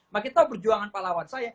makin tahu perjuangan pahlawan saya